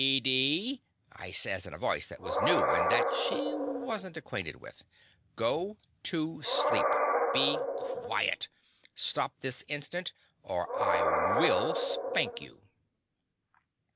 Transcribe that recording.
"Deedee!'' I says, in a voice that was new and that she was n't ac quainted with; "go to sleep! Be quiet! Stop this instant, or I will SPANK you!"